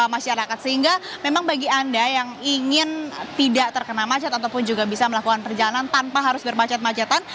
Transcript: sehingga memang bagi anda yang ingin tidak terkena macet ataupun juga bisa melakukan perjalanan tanpa harus bermacet macetan